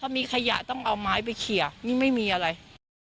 เอามีขยะต้องเอาไม้ไปเขราะห์มีไม่มีอะไร